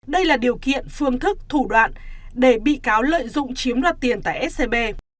đây là điều kiện phương thức thủ đoạn để bị cáo lợi dụng chiếm đoạt tiền tại scb